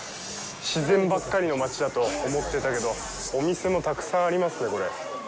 自然ばっかりの街だと思ってたけど、お店もたくさんありますね、これ。